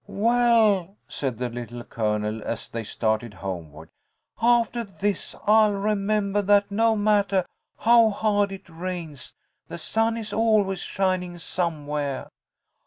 "Well," said the Little Colonel, as they started homeward, "aftah this I'll remembah that no mattah how hard it rains the sun is always shining somewhere.